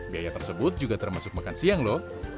biaya tersebut juga termasuk makan siang lho